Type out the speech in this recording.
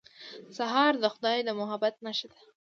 سهار د خدای د محبت نښه ده.